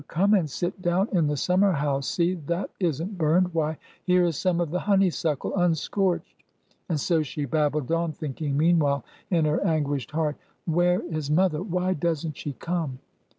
... come and sit down in the summer house ! See ! that is n't burned ! Why, here is some of the honeysuckle unscorched." And so she babbled on, thinking meanwhile in her an guished heart, " Where is mother ? Why does n't she come